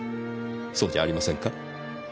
そうじゃありませんか？